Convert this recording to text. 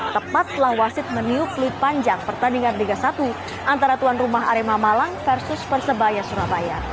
tepat setelah wasit meniup peluit panjang pertandingan liga satu antara tuan rumah arema malang versus persebaya surabaya